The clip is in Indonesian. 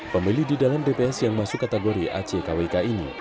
pemilih di dalam dps yang masuk kategori ackwk ini